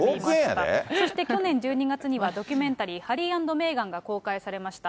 そして去年１２月には、ドキュメンタリー、ハリー＆メーガンが公開されました。